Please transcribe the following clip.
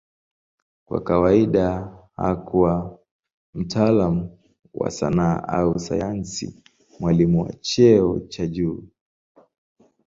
Kwa kawaida huwa mtaalamu wa sanaa au sayansi, mwalimu wa cheo cha juu.